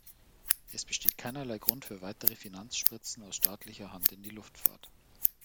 Es besteht keinerlei Grund für weitere Finanzspritzen aus staatlicher Hand in die Luftfahrt.